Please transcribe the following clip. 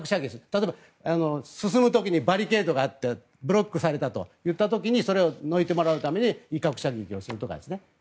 例えば進む時にバリケードがあってブロックされたといった時にそれをのいてもらうために威嚇射撃をするとか。